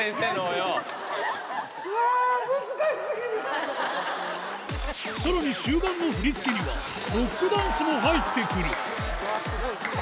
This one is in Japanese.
いやー、さらに終盤の振り付けには、ロックダンスも入ってくる。